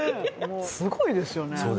すごいですよね。